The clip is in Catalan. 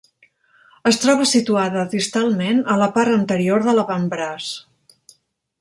Es troba situada distalment a la part anterior de l'avantbraç.